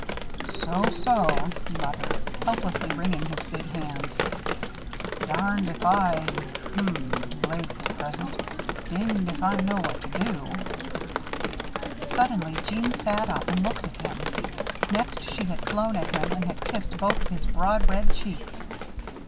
"So, so," he muttered, helplessly wringing his big hands. "Darned if I hum, ladies present dinged if I know what to do." Suddenly Jeanne sat up and looked at him. Next she had flown at him and had kissed both of his broad red cheeks.